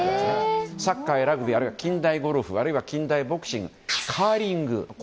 サッカーやラグビーあるいは近代ゴルフあるは近代ボクシングカーリング。